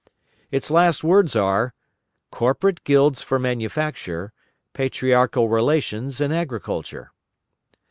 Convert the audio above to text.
Its last words are: corporate guilds for manufacture, patriarchal relations in agriculture.